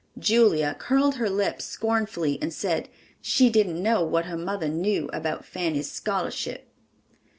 Julia curled her lip scornfully and said, "she didn't know what her mother knew about Fanny's scholarship."